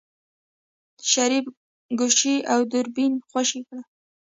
شريف ګوشي او دوربين خوشې کړل.